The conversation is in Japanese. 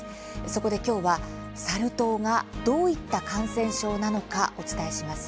そこで、きょうはサル痘がどういった感染症なのかお伝えします。